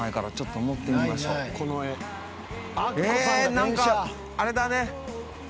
なんかあれだね